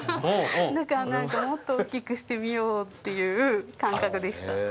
だからなんかもっと大きくしてみようっていう感覚でした。